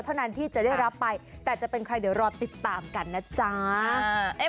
เท่านั้นที่จะได้รับไปแต่จะเป็นใครเดี๋ยวรอติดตามกันนะจ๊ะ